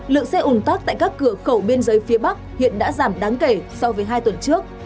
lượng xe ủn tắc tại các cửa khẩu biên giới phía bắc hiện đã giảm đáng kể so với hai tuần trước